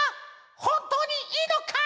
ほんとうにいいのか！？